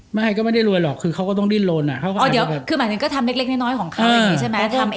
ไม่ก็ไม่ได้รวยหรอกคือเขาก็ต้องดิ้นลนอ่ะเขาก็อ๋อเดี๋ยวคือหมายถึงก็ทำเล็กน้อยของเขาอย่างนี้ใช่ไหม